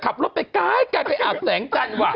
ขับรถไปก้ายกันไปอาบแสงจันทร์วะ